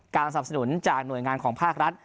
สนับสนุนจากหน่วยงานของภาครัฐ